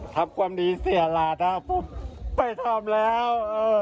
ทำความดีเสียหลานปุ๊บไปทำแล้ว